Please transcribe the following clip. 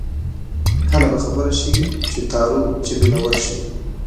هله به خبر شې چې تارو جبې له ورشې